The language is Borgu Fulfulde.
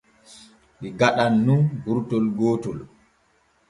Ɗi gaɗan nun burtol gootol.